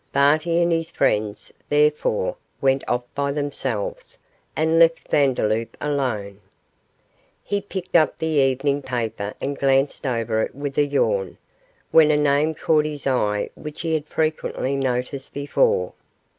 Barty and his friends, therefore, went off by themselves, and left Vandeloup alone. He picked up the evening paper and glanced over it with a yawn, when a name caught his eye which he had frequently noticed before.